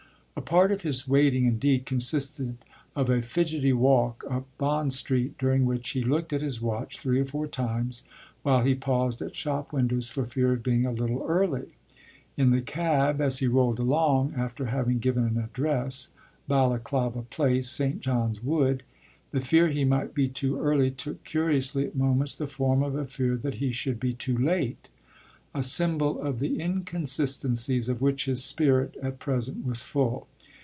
A part of his waiting indeed consisted of a fidgety walk up Bond Street, during which he looked at his watch three or four times while he paused at shop windows for fear of being a little early. In the cab, as he rolled along, after having given an address Balaklava Place, Saint John's Wood the fear he might be too early took curiously at moments the form of a fear that he should be too late: a symbol of the inconsistencies of which his spirit at present was full.